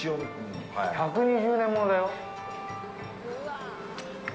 １２０年ものだよ！